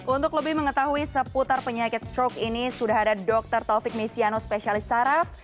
untuk lebih mengetahui seputar penyakit stroke ini sudah ada dr taufik misiano spesialis saraf